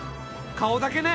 顔だけね。